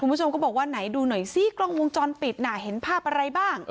คุณผู้ชมก็บอกว่าไหนดูหน่อยซิกล้องวงจรปิดน่ะเห็นภาพอะไรบ้าง